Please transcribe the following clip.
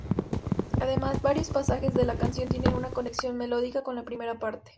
Además, varios pasajes de la canción tienen una conexión melódica con la primera parte.